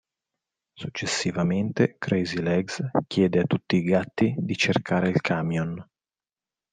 Successivamente, Crazy Legs chiede a tutti i gatti di cercare il camion.